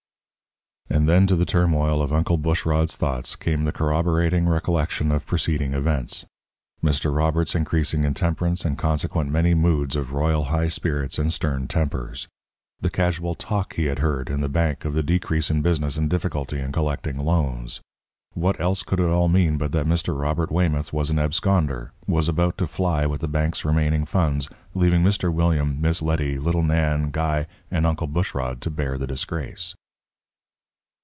And then to the turmoil of Uncle Bushrod's thoughts came the corroborating recollection of preceding events Mr. Robert's increasing intemperance and consequent many moods of royal high spirits and stern tempers; the casual talk he had heard in the bank of the decrease in business and difficulty in collecting loans. What else could it all mean but that Mr. Robert Weymouth was an absconder was about to fly with the bank's remaining funds, leaving Mr. William, Miss Letty, little Nan, Guy, and Uncle Bushrod to bear the disgrace?